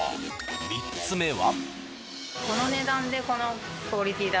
３つ目は。